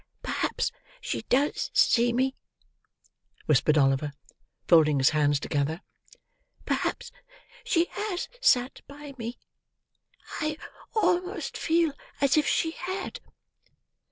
"Perhaps she does see me," whispered Oliver, folding his hands together; "perhaps she has sat by me. I almost feel as if she had."